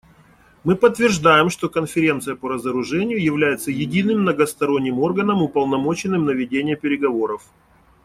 Мы подтверждаем, что Конференция по разоружению является единым многосторонним органом, уполномоченным на ведение переговоров.